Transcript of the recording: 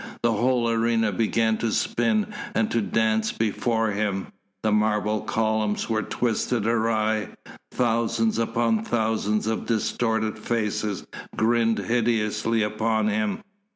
The whole arena began to spin and to dance before him, the marble columns were twisted awry, thousands upon thousands of distorted faces grinned hideously upon him.